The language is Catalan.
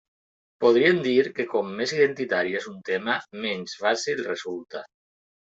Podríem dir que com més «identitari» és un tema, menys fàcil resulta.